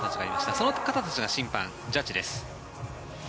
その方たちが審判ジャッジです。